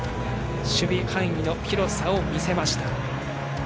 守備範囲の広さを見せました。